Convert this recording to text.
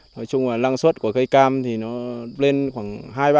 nói chung là năng suất của cây cam thì nó lên khoảng hai ba mươi